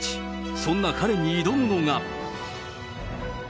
そんな彼に挑むのが。